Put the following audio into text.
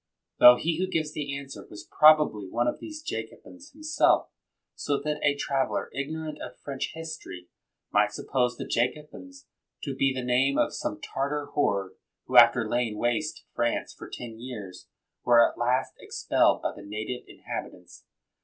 tho he who gives the answer was probably one of these Jac obins himself; so that a traveler, ignorant of French history, might suppose the Jacobins to be the name of some Tartar horde who, after 94 MACKINTOSH laying waste Prance for ten years, were at last expelled by the native inhabitants.